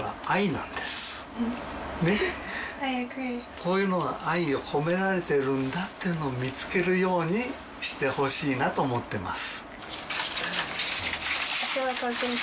こういうのが愛を込められているんだってのを見つけるようにしてほしいなと思ってます。